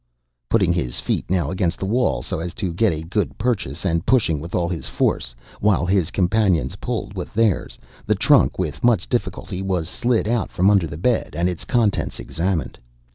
Putting his feet, now, against the wall so as to get a good purchase, and pushing with all his force, while his companions pulled with all theirs, the trunk, with much difficulty, was slid out from under the bed, and its contents examined.